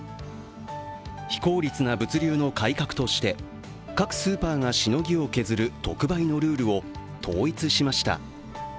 非効率な物流の改革として各スーパーがしのぎを削る特売のルールを統一しました。